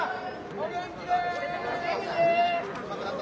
お元気で！